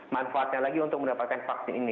manfaatnya lagi untuk mendapatkan vaksin ini